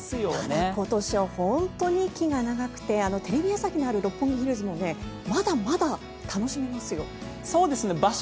ただ今年は本当に息が長くてテレビ朝日のある六本木ヒルズもまだまだ楽しめますよ。